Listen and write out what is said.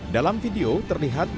dalam video terlihat